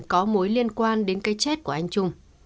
có mối liên quan đến cái chết của anh trung